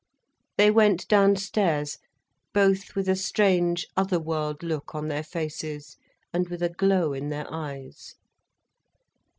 They went downstairs, both with a strange other world look on their faces, and with a glow in their eyes.